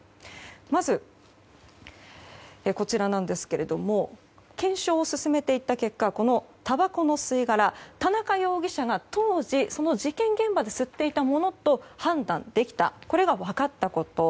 まず、検証を進めていった結果このたばこの吸い殻田中容疑者が当時その事件現場で吸っていたものと判断できたこれが分かったということ。